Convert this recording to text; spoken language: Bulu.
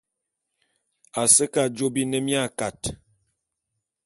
A se ke ajô bi ne mia kat.